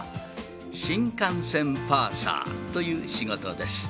新幹線パーサーという仕事です。